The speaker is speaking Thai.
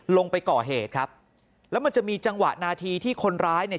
ลงไปก่อเหตุครับแล้วมันจะมีจังหวะนาทีที่คนร้ายเนี่ย